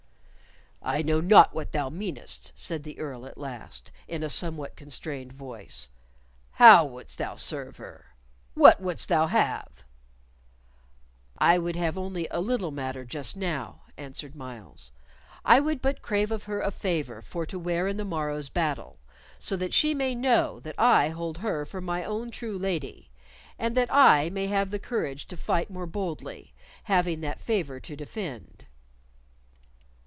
"I know not what thou meanest," said the Earl at last, in a somewhat constrained voice. "How wouldst thou serve her? What wouldst thou have?" "I would have only a little matter just now," answered Myles. "I would but crave of her a favor for to wear in the morrow's battle, so that she may know that I hold her for my own true lady, and that I may have the courage to fight more boldly, having that favor to defend."